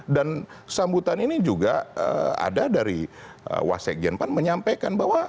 dan sambutan ini juga ada dari wasik genpan menyampaikan bahwa